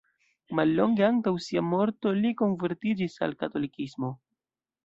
Mallonge antaŭ sia morto li konvertiĝis al katolikismo.